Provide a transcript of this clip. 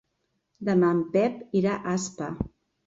Demà en Pep irà a Aspa.